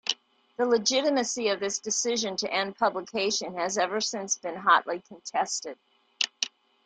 The legitimacy of this decision to end publication has ever since been hotly contested.